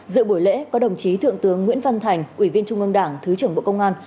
dự buổi lễ có đồng chí thượng tướng nguyễn văn thành ủy viên trung ương đảng thứ trưởng bộ công an